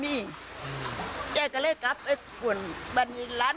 ปี๖๒แล้วก็หนีบัง